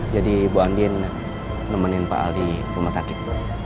jadi bu andien nemenin pak al di rumah sakit